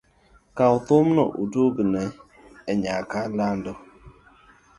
Kwa thumno otugni e nyaka londo.